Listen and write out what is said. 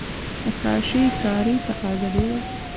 د کاشي کارۍ تقاضا ډیره ده